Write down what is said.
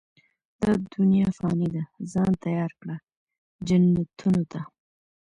دا دنيا فاني ده، ځان تيار کړه، جنتونو ته